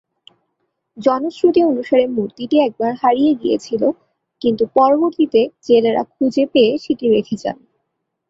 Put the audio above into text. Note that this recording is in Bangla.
জনশ্রুতি অনুসারে মূর্তিটি একবার হারিয়ে গিয়েছিল কিন্তু পরবর্তিতে জেলেরা খুঁজে পেয়ে সেটি রেখে যান।